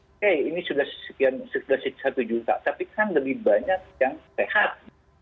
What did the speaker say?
oke ini sudah satu juta tapi kan lebih banyak yang sehat